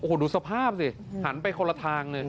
โอ้โหดูสภาพสิหันไปคนละทางเลย